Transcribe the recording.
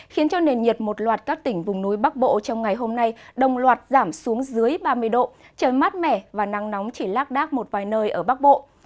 khiến cho nền nhiệt một loạt các tỉnh vùng núi bắc bộ trong ngày hôm nay đồng loạt giảm xuống dưới ba mươi độ trời mát mẻ và nắng nóng chỉ lác đác một vài nơi ở bắc bộ